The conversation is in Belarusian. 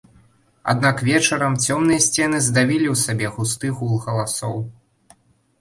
Аднак вечарам цёмныя сцены здавілі ў сабе густы гул галасоў.